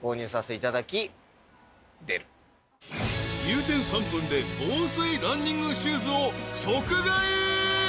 ［入店３分で防水ランニングシューズを即買い］